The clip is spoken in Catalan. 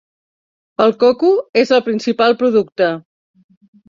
El coco és el principal producte.